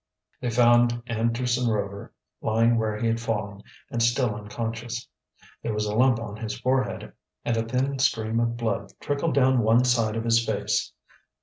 They found Anderson Rover lying where he had fallen, and still unconscious. There was a lump on his forehead, and a thin stream of blood trickled down one side of his face.